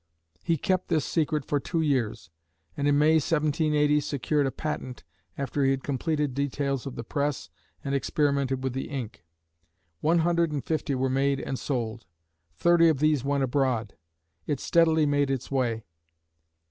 He kept this secret for two years, and in May, 1780, secured a patent after he had completed details of the press and experimented with the ink. One hundred and fifty were made and sold. Thirty of these went abroad. It steadily made its way.